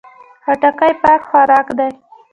خټکی پاک خوراک دی.